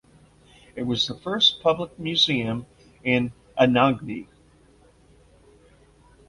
It was the first public museum in Anagni.